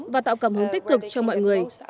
và tạo cảm hứng tích cực cho mọi người